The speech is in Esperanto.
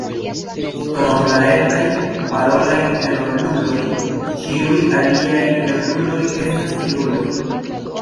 Krom la etaj parolaj roluloj, ĉiuj aliaj roluloj estas nigruloj.